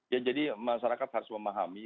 ya jadi masyarakat harus memahami